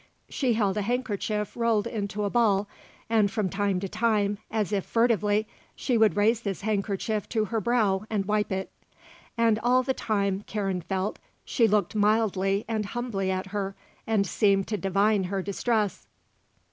She held a handkerchief rolled into a ball, and from time to time, as if furtively, she would raise this handkerchief to her brow and wipe it. And all the time, Karen felt, she looked mildly and humbly at her and seemed to divine her distress.